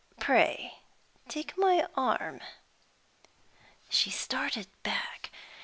Pray take my arm." She started back.